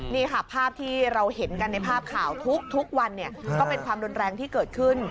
นี่ค่ะภาพที่เราเห็นกันในภาพข่าวทุกวันเนี่ยก็เป็นความรุนแรงที่เกิดขึ้น